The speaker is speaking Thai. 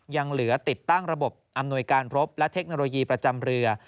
ยังเหลือติดตั้งระบบอำนวยการพบและเทคโนโลยีประจำเรือ